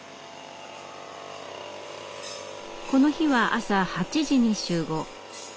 この日は朝８時に集合。